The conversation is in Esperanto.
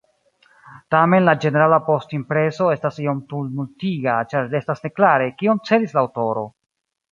Tamen la ĝenerala postimpreso estas iom tumultiga, ĉar restas neklare, kion celis la aŭtoro.